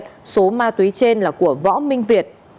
đối tượng khai nhận số ma túy trên là của võ minh việt